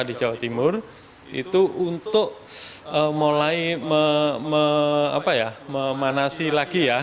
di jawa timur itu untuk mulai memanasi lagi ya